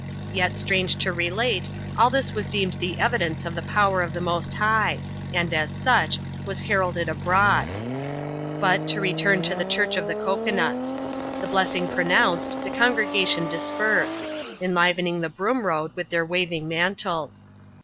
Yet, strange to relate, all this was deemed the evidence of the power of the Most High ; and, as such, was heralded abroad. But, to return to the Church of the Cocoa nuts. The bless ing pronounced, the congregation disperse; enlivening the Broom Koad with their waving mantles.